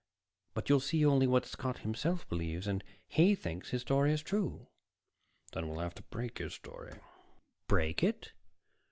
"But you'll see only what Scott himself believes. And he thinks his story is true." "Then we'll have to break his story." "Break it?"